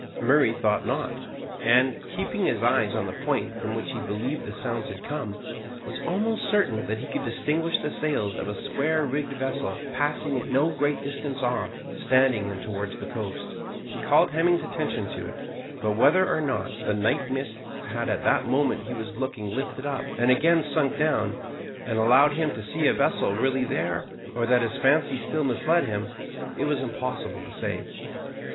Murray thought not, and, keeping his eyes on the point from which he believed the sounds had come, was almost certain that he could distinguish the sails of a square rigged vessel passing at no great distance off, standing in towards the coast. He called Hemming's attention to it, but whether or not the night mists had at the moment he was looking lifted up, and again sunk down, and allowed him to see a vessel really there, or that his fancy still misled him, it was impossible to say.